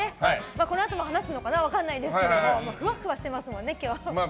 このあとも話すか分かんないんですけどふわふわしてますよね、今日。